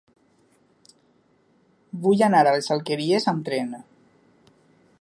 Vull anar a les Alqueries amb tren.